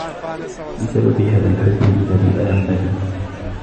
بسبب هذا الحزن الذي ألمَّ بي